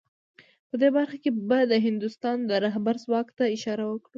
په دې برخه کې به د هندوستان د رهبر ځواک ته اشاره وکړو